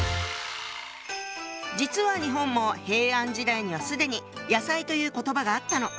実は日本も平安時代には既に「野菜」という言葉があったの。